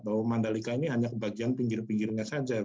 bahwa mandalika ini hanya bagian pinggir pinggirnya saja